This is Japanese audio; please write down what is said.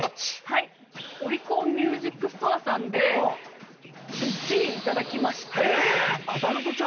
はいオリコンミュージックストアさんで１位いただきましてえっ！？